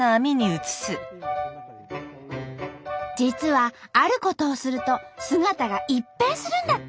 実はあることをすると姿が一変するんだって。